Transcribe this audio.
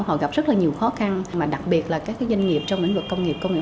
họ gặp rất là nhiều khó khăn mà đặc biệt là các doanh nghiệp trong lĩnh vực công nghiệp công nghệ bốn